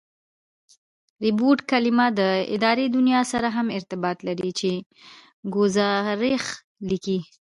ریپوټ کلیمه د اداري دونیا سره هم ارتباط لري، چي ګوزارښ لیکي.